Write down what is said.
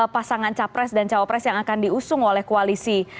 pasangan capres dan cawapres yang akan diusung oleh koalisi